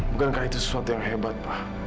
bukankah itu sesuatu yang hebat pak